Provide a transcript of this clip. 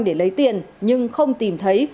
để lấy tiền nhưng không tìm thấy